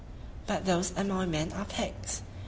But those Amoy men are pigs!